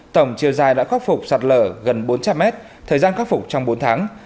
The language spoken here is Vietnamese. tổng chiều dài đã khắc phục sạt lở gần bốn trăm linh mét thời gian khắc phục trong bốn tháng